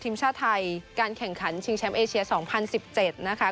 ทีมชาติไทยการแข่งขันชิงแชมป์เอเชียสองพันสิบเจ็ดนะคะ